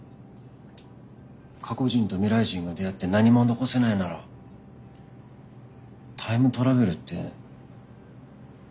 過去人と未来人が出会って何も残せないならタイムトラベルって。